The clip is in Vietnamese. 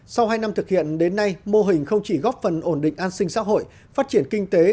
sau hai năm thực hiện đến nay mô hình không chỉ góp phần ổn định an sinh xã hội phát triển kinh tế